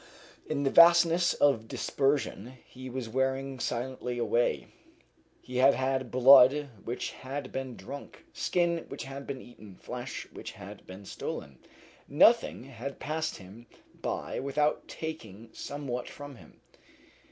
In the vastness of dispersion he was wearing silently away. He had had blood which had been drunk, skin which had been eaten, flesh which had been stolen. Nothing had passed him by without taking somewhat from him.